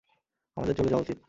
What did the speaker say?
আমাদের চলে যাওয়া উচিত।